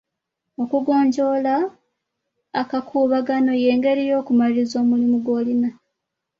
Okugonjoola akakuubagano y'engeri y'okumaliriza omulimu gw'olina.